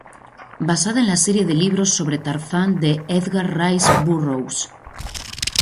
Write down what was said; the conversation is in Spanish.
Basada en la serie de libros sobre Tarzán de Edgar Rice Burroughs.